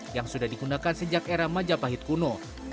yang sudah digunakan sejak era majapahit kuno